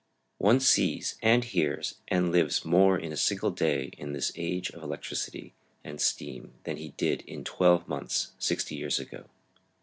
One sees, and hears, and lives more in a single day in this age of electricity and steam than he did in twelve months sixty years ago.